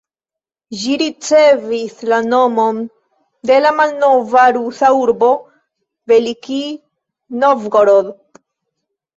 Ĝi ricevis la nomon de la malnova rusa urbo Velikij Novgorod.